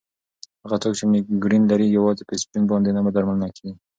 هغه څوک چې مېګرین لري، یوازې په اسپرین باندې نه درملنه کېږي.